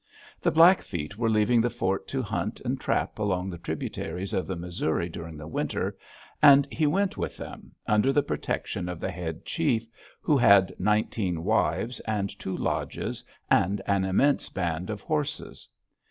The Blackfeet were leaving the Fort to hunt and trap along the tributaries of the Missouri during the winter, and he went with them, under the protection of the head chief, who had nineteen wives and two lodges and an immense band of horses.